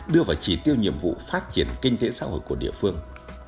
đưa vào trí tiêu nhiệm vụ phát triển kinh tế xã hội của địa phương